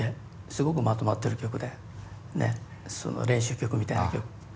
すごくまとまってる曲で練習曲みたいな曲。